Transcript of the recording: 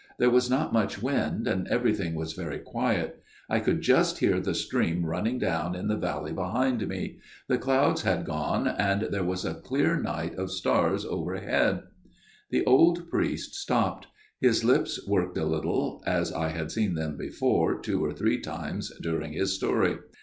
There was not much wind and everything was very quiet. I could just hear the stream running down in the valley behind me. The clouds had gone and there was a clear night of stars overhead." 186 A MIRROR OF SHALOTT The old priest stopped ; his lips worked a little, as I had seen them before, two or three times, during his story.